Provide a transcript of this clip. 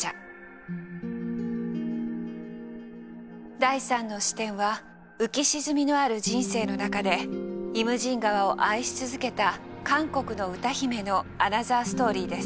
第３の視点は浮き沈みのある人生の中で「イムジン河」を愛し続けた韓国の歌姫のアナザーストーリーです。